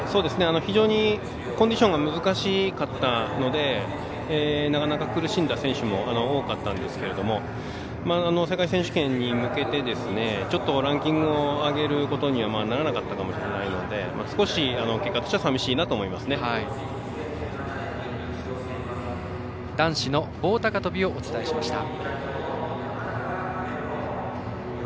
非常にコンディションが難しかったのでなかなか苦しんだ選手も多かったんですけれども世界選手権に向けてランキングを上げることにはならなかったかもしれないので少し結果としては男子の棒高跳びをお伝えしました。